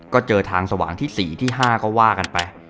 ก็เจอทางสว่างที่๔ที่๕ก็ว่ากันไป